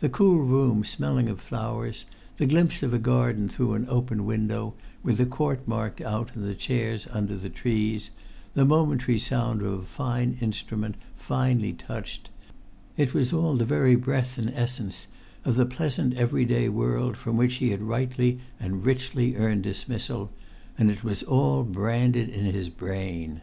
The cool room smelling of flowers; the glimpse of garden through an open window, with the court marked out and chairs under the trees; the momentary sound of a fine instrument finely touched: it was all the very breath and essence of the pleasant every day world from which he had rightly and richly earned dismissal, and it all was branded in his brain.